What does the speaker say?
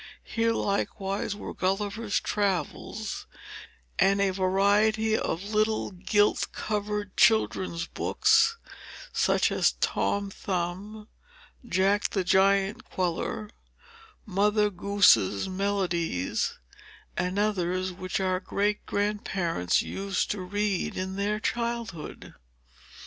Here, likewise, were Gulliver's Travels, and a variety of little gilt covered children's books, such as Tom Thumb, Jack the Giant queller, Mother Goose's Melodies, and others which our great grandparents used to read in their childhood.